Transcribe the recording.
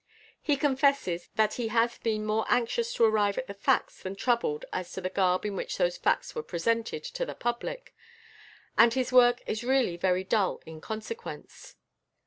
He confesses that he has been more anxious to arrive at the facts than troubled as to the garb in which those facts were presented to the public, and his work is really very dull in consequence.